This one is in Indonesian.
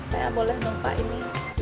saya boleh numpah ini